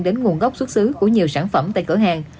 đến nguồn gốc xuất xứ của nhiều sản phẩm tại cửa hàng